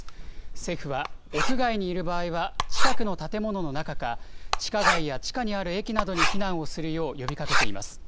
政府は屋外にいる場合は、近くの建物の中か、地下街や地下にある駅などに避難をするよう呼びかけています。